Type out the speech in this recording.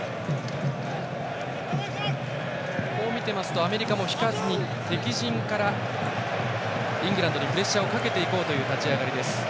見ていますとアメリカも引かずに敵陣からイングランドにプレッシャーをかけていく立ち回り。